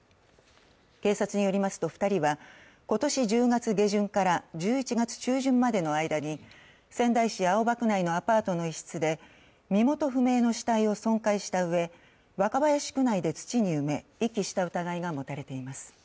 警察によりますと２人は今年１０月下旬から１１月中旬までの間に仙台市青葉区内のアパートの一室で身元不明の死体を損壊したうえ、若林区内で土に埋め、遺棄した疑いが持たれています。